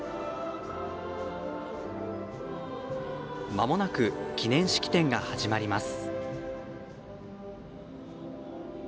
まもなく記念式典が始まります。